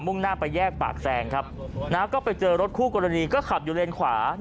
่งหน้าไปแยกปากแซงครับนะฮะก็ไปเจอรถคู่กรณีก็ขับอยู่เลนขวา